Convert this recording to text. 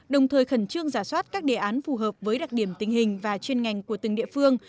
đồng thời khẩn trương giả soát các đề án phù hợp với đặc điểm tình hình và chuyên ngành của từng địa phương